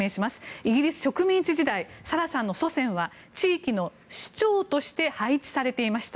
イギリス植民地時代サラさんの祖先は地域の首長として配置されていました。